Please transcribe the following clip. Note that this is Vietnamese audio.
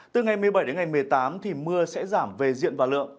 từ ngày một mươi bảy đến ngày một mươi tám thì mưa sẽ giảm về diện và lượng